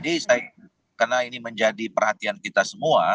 jadi saya karena ini menjadi perhatian kita semua